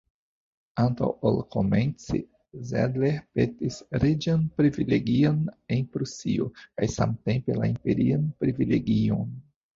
Antaŭ ol komenci, Zedler petis reĝan privilegion en Prusio, kaj samtempe la imperian privilegion.